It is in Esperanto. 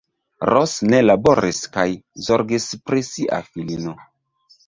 Ros ne laboris kaj zorgis pri sia filino.